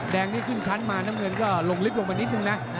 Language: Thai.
แดงนี่ขึ้นชั้นมาน้ำเงินก็ลงลิฟต์ลงมานิดนึงนะ